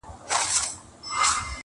خولې د عالمونو څوک ګنډلای نه سي وايی دي -